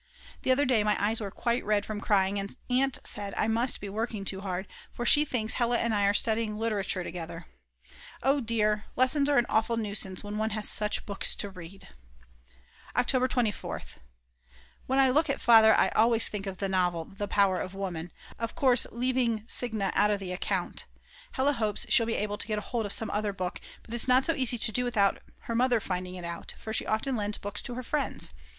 The other day my eyes were quite red from crying, and Aunt said I must be working too hard; for she thinks that Hella and I are studying literature together. Oh dear, lessons are an awful nuisance when one has such books to read. October 24th. When I look at Father I always think of the novel The Power of Woman; of course leaving Signe out of account. Hella hopes she'll be able to get hold of some other book, but it's not so easy to do without her mother finding it out, for she often lends books to her friends.